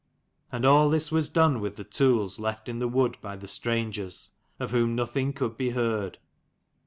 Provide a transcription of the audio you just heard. And all this was done with the tools left in the wood by the strangers, of whom nothing could be heard.